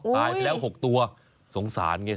ตายไปแล้ว๖ตัวสงสารไง